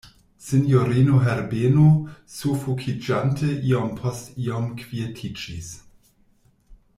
Sinjorino Herbeno sufokiĝante iom post iom kvietiĝis.